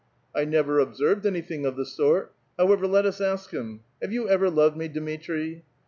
"I never observed anything of the sort. However, let us ask him. — Have you ever loved me, Dmitri